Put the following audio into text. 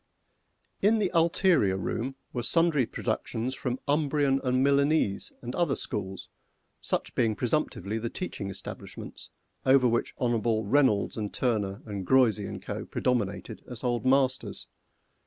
In the ulterior room were sundry productions from Umbrian and Milanese and other schools, such being presumptively the teaching establishments over which Hon'ble REYNOLDS and TURNER and GREUZY and Co. predominated as Old Masters.